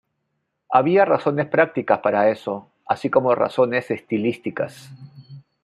Había razones prácticas para eso, así como razones estilísticas.